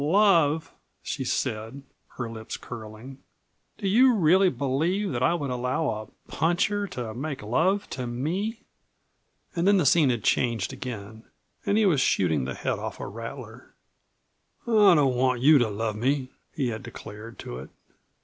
"Love!" she said, her lips curling. "Do you really believe that I would allow a puncher to make love to me?" And then the scene had changed again, and he was shooting the head off a rattler. "I don't want you to love me!" he had declared to it.